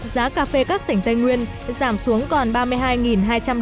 giá cà phê các tỉnh tây nguyên giảm xuống còn